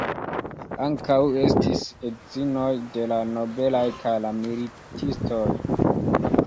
Ankaŭ estis edzinoj de la nobelaj kaj la militistoj.